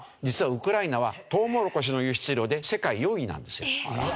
実はウクライナはトウモロコシの輸出量で世界４位なんですよ。